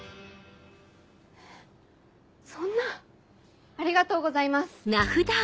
そんなありがとうございます。